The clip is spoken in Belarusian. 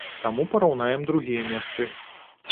Таму параўнаем другія месцы.